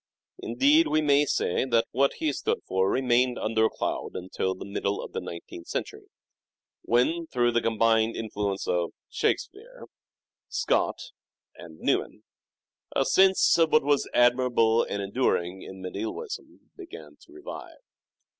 Indeed we may say that what he stood for remained under a cloud until the middle of the nineteenth century, when, through the combined influence of ' Shakespeare,' Scott, and Newman, a sense of what was admirable and enduring in medievalism began to revive.